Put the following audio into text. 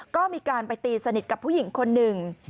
ก็มีการไปตีสนิทกับผู้หญิงคนหนึ่ง